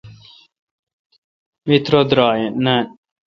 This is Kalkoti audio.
می ترہ درائ نان۔